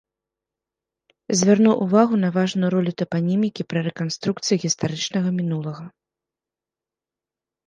Звярнуў увагу на важную ролю тапанімікі пры рэканструкцыі гістарычнага мінулага.